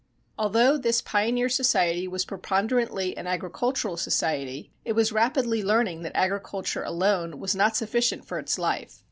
Although this pioneer society was preponderantly an agricultural society it was rapidly learning that agriculture alone was not sufficient for its life.